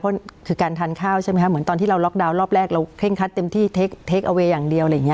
เพราะคือการทานข้าวใช่ไหมคะเหมือนตอนที่เราล็อกดาวน์รอบแรกเราเคร่งคัดเต็มที่เทคเอาเวย์อย่างเดียวอะไรอย่างนี้